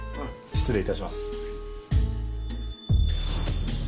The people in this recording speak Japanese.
失礼いたします。